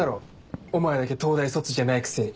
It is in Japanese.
お前だけ東大卒じゃないくせに。